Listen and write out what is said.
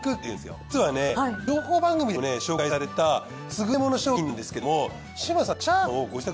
これ実はね情報番組でもね紹介された優れもの商品なんですけども志真さん。